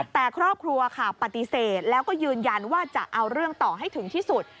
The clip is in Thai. แต่ครอบครัวค่ะปฏิเสธแล้วก็ยืนยันว่าจะเอาเรื่องต่อให้ถึงที่สุด